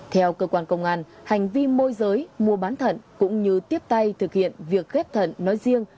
theo cơ quan công an hành vi môi giới mua bán thận cũng như tiếp tay thực hiện việc ghép thận nói riêng